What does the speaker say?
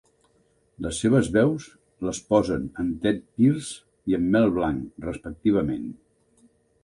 Les seves veus les posen en Tedd Pierce i en Mel Blanc, respectivament.